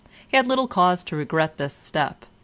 He had little cause to regret this step.